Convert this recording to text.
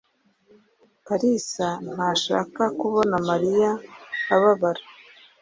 Kalisa ntashaka kubona Mariya ababara.